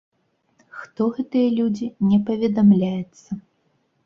Хто гэтыя людзі, не паведамляецца.